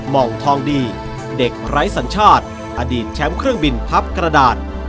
หมองทองดีเด็กไร้สัญชาติอดีตแชมป์เครื่องบินพับกระดาษ